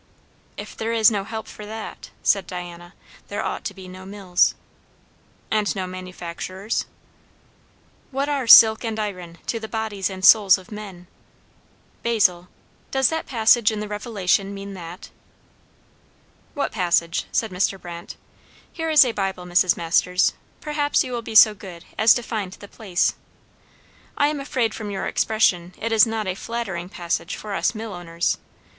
"If there is no help for that," said Diana, "there ought to be no mills." "And no manufacturers?" "What are silk and iron, to the bodies and souls of men? Basil, does that passage in the Revelation mean that?" "What passage?" said Mr. Brandt. "Here is a Bible, Mrs. Masters; perhaps you will be so good as to find the place. I am afraid from your expression, it is not a flattering passage for us millowners.